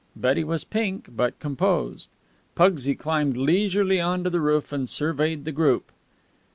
Betty was pink, but composed. Pugsy climbed leisurely on to the roof, and surveyed the group.